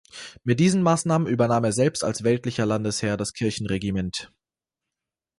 Mit diesen Maßnahmen übernahm er selbst als weltlicher Landesherr das Kirchenregiment.